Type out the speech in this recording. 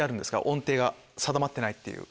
音程が定まってないっていう。